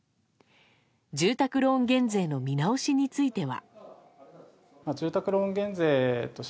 住宅ローン減税の見直しについては。